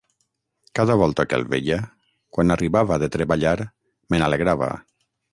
Cada volta que el veia, quan arribava de treballar, me n'alegrava.